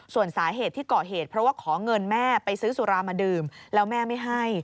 ส่วนสาเหตุที่ก่อเหตุเพราะว่าขอเงินแม่ไปซื้อสุรามาดื่มแล้วแม่ไม่ให้